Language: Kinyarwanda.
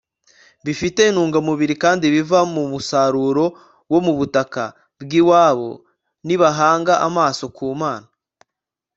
bifite intungamubiri kandi biva mu musaruro wo mu butaka bw'iwabo. nibahanga amaso ku mana